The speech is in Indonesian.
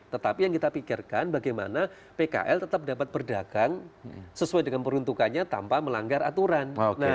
tetapi yang kita pikirkan bagaimana pkl tetap dapat berdagang sesuai dengan peruntukannya tanpa melanggar aturan